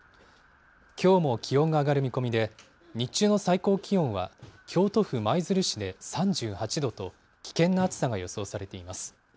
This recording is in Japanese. きょうも気温が上がる見込みで、日中の最高気温は、京都府舞鶴市で３８度と、危険な暑さが予想されています。